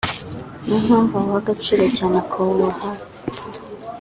niyo mpamvu awuha agaciro cyane akawuba hafi